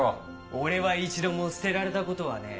俺は一度も捨てられたことはねえ。